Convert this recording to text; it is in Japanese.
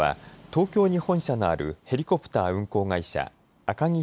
東京に本社のあるヘリコプター運航会社、アカギ